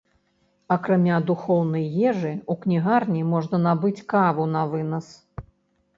Акрамя духоўнай ежы, у кнігарні можна набыць каву навынас.